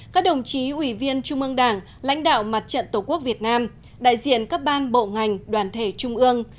các đồng chí ủy viên trung ương đảng lãnh đạo mặt trận tổ quốc việt nam đại diện các ban bộ ngành đoàn thể trung ương